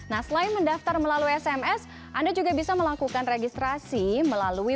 nah selain mendaftar melalui sms anda juga bisa melakukan registrasi melalui